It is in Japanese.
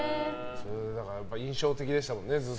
印象的でしたもんね。